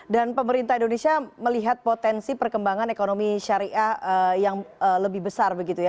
dan pemerintah indonesia melihat potensi perkembangan ekonomi syariah yang lebih besar begitu ya